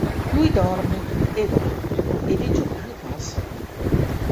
Lui dorme e dorme ed i giorni passano.